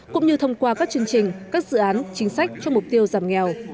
cũng như thông qua các chương trình các dự án chính sách cho mục tiêu giảm nghèo